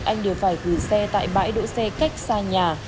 anh đều phải gửi xe tại bãi đỗ xe cách xa nhà